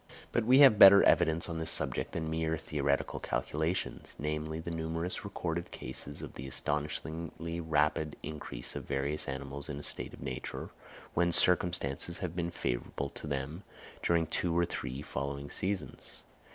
But we have better evidence on this subject than mere theoretical calculations, namely, the numerous recorded cases of the astonishingly rapid increase of various animals in a state of nature, when circumstances have been favourable to them during two or three following seasons.